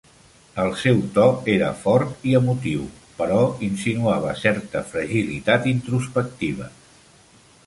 El seu to era fort i emotiu, però insinuava certa fragilitat introspectiva.